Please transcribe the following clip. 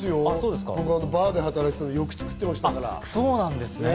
バーで働いてたのでよく作ってましたから。